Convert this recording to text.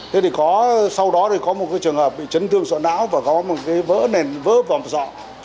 thế thì có sau đó thì có một cái trường hợp bị chấn thương sọ não và có một cái vỡ nền vỡ vàm dọa